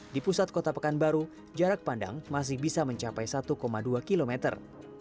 di pusat kota pekanbaru jarak pandang masih bisa mencapai satu dua kilometer